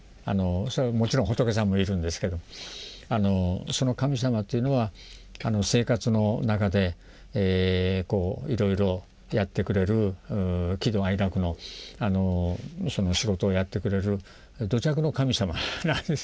それはもちろん仏さんもいるんですけどその神様というのは生活の中でいろいろやってくれる喜怒哀楽の仕事をやってくれる土着の神様なんですね。